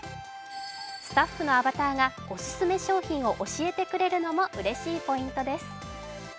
スタッフのアバターがオススメ商品を教えてくれるのもうれしいポイントです。